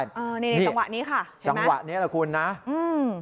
นี่สังวัตินี้ค่ะเห็นไหมสังวัตินี้แหละคุณนะอืม